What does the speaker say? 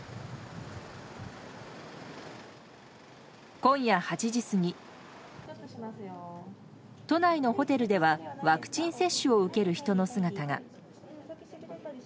今夜８時過ぎ都内のホテルではワクチン接種を受ける人の姿が。